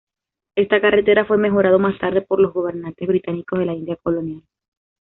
Esta carretera fue mejorado más tarde por los gobernantes británicos de la India colonial.